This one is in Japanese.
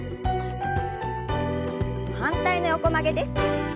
反対の横曲げです。